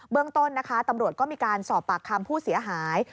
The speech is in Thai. เรื่องต้นนะคะตำรวจก็มีการสอบปากคำผู้เสียหาย